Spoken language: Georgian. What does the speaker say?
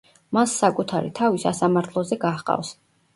მას საკუთარი თავი სასამართლოზე გაჰყავს.